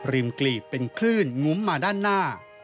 กลีบเป็นคลื่นงุ้มมาด้านหน้า